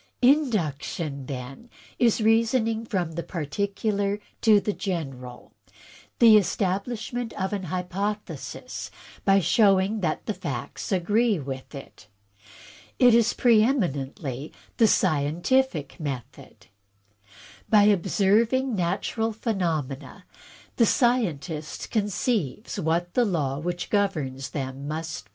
"Induction, then, is reasoning from the particular to the general; the establishment of an hypothesis by showing that the facts agree with it. It is preeminently the scientific method. By observing natural phenomena, the scientist conceives what the law which governs them must be.